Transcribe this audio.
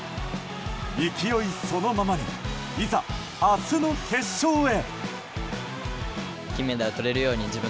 勢いそのままにいざ明日の決勝へ。